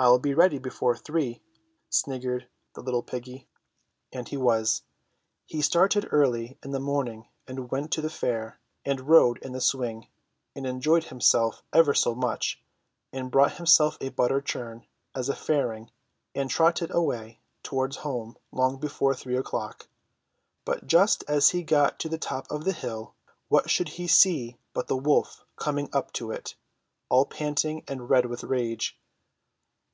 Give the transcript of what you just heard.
"I'll be ready before three," sniggered the little piggy. And he was ! He started early in the morning and went to the fair, and rode in a swing, and enjoyed himself ever so much, and bought himself a butter churn as a fairing, and trotted away towards home long before three o'clock. But just as he got to the top of the hill what should he see but the wolf coming up it, all panting and red with rage